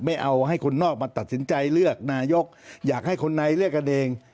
ไม่เอาให้คนนอกมาตัดสินใจเลือกนายกอยากให้คนในเลือกกันเอง